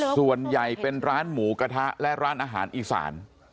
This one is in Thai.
ส่วนใหญ่เป็นร้านหมูกระทะและร้านอาหารอีสาน